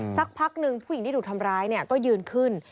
สักพักหนึ่งผู้หญิงที่ถูกทำร้ายเนี่ยก็ยืนขึ้น